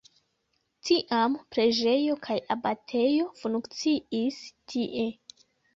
Tiam preĝejo kaj abatejo funkciis tie.